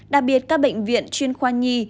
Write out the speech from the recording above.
đặc biệt các bệnh viện chuyên khoa nhi